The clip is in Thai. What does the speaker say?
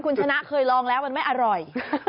คุณชนะเคยลองแล้วมันไม่อร่อย